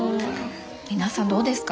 皆さんどうですか？